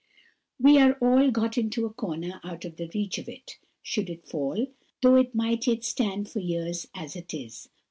"We are all got into a corner out of the reach of it, should it fall, though it might yet stand for years as it is.